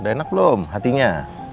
udah enak belum hatinya